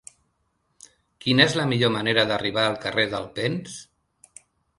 Quina és la millor manera d'arribar al carrer d'Alpens?